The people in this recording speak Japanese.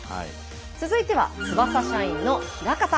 続いては翼社員の枚方。